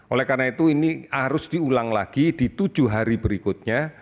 oleh karena itu ini harus diulang lagi di tujuh hari berikutnya